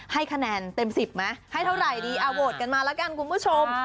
ให้คะแนนเต็ม๑๐ไหมให้เท่าไหร่ดีโหวตกันมาแล้วกันคุณผู้ชม